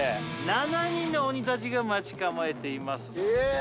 ７人の鬼たちが待ち構えていますえっ！